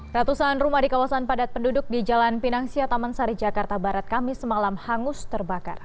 ratusan rumah di kawasan padat penduduk di jalan pinang sia taman sari jakarta barat kamis semalam hangus terbakar